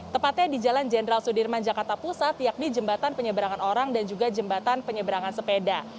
tepatnya di jalan jenderal sudirman jakarta pusat yakni jembatan penyeberangan orang dan juga jembatan penyeberangan sepeda